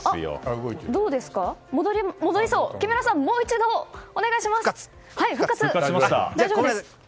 木村さん、もう一度お願いします。